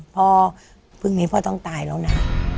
พ่อพรุ่งนี้พ่อต้องตายแล้วนะ